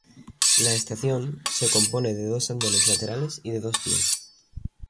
La estación, se compone de dos andenes laterales y de dos vías.